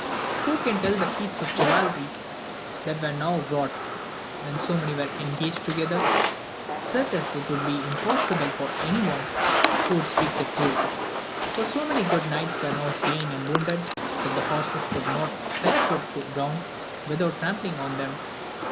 Who can tell the feats of chivalry that were now wrought, when so many were engaged together. Certes it would be impossible for any one who would speak the truth. For so many good knights were now slain and wounded, that the horses could not set foot to ground without trampling on them.